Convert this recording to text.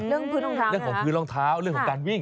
พื้นรองเท้าเรื่องของพื้นรองเท้าเรื่องของการวิ่ง